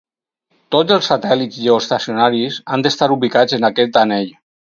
Tots els satèl·lits geoestacionaris han d'estar ubicats en aquest anell.